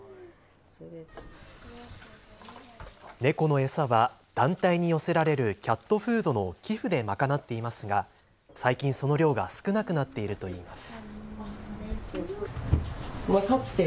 猫の餌は団体に寄せられるキャットフードの寄付で賄っていますが最近その量が少なくなっているといいます。